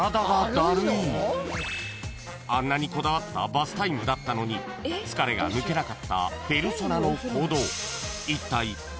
［あんなにこだわったバスタイムだったのに疲れが抜けなかったペルソナの行動］